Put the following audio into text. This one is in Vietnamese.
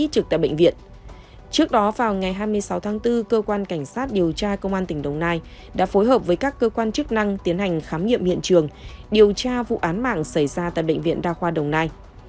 trước đó vào ngày hai mươi sáu tháng bốn cơ quan cảnh sát điều tra công an tỉnh đồng nai đã phối hợp với các cơ quan chức năng tiến hành khám nghiệm hiện trường điều tra vụ án mạng xảy ra tại bệnh viện đa khoa đồng nai